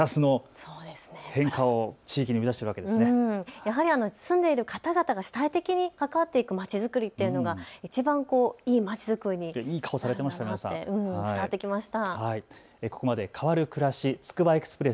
やはり住んでいる方々が主体的に関わっていくまちづくりっていうのがいちばんいいまちづくりになるんだなと伝わってきました。